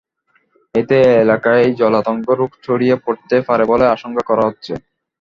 এতে এলাকায় জলাতঙ্ক রোগ ছড়িয়ে পড়তে পারে বলে আশঙ্কা করা হচ্ছে।